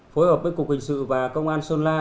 phối hợp với cục hình sự và công an sơn la